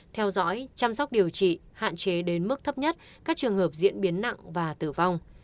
theo dõi chăm sóc điều trị hạn chế đến mức thấp nhất các trường hợp diễn biến nặng và tử vong